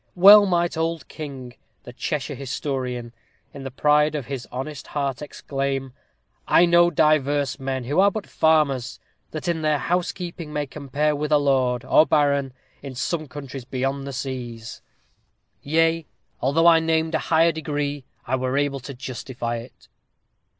Well might old King, the Cheshire historian, in the pride of his honest heart, exclaim, "_I know divers men, who are but farmers, that in their housekeeping may compare with a lord or baron, in some countries beyond the seas; yea, although I named a higher degree, I were able to justify it.